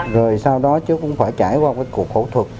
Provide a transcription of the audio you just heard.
rồi sau đó chú cũng phải trải qua một cuộc khẩu thuật